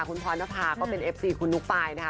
คุณพลอยนภาก็เป็นเอฟซีคุณนุ๊กปายนะคะ